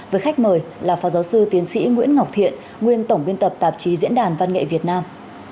với khách mời là phó giáo sư tiến sĩ nguyễn ngọc thiện nguyên tổng biên tập tạp chí diễn đàn văn nghệ việt nam